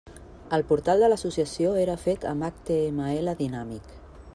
El portal de l'Associació era fet amb HTML dinàmic.